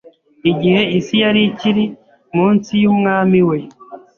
Igihe isi yari ikiri munsi y'Umwami we